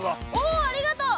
おありがとう。